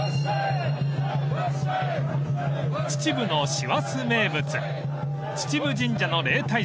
［秩父の師走名物］